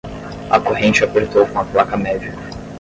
A corrente apertou com a placa média.